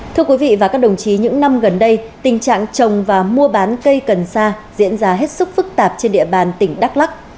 thưa quý vị và các đồng chí những năm gần đây tình trạng trồng và mua bán cây cần sa diễn ra hết sức phức tạp trên địa bàn tỉnh đắk lắc